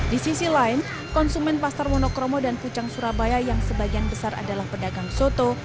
di sisi lain konsumen pasar monokromo dan pucang surabaya yang sebagian besar adalah pedagang soto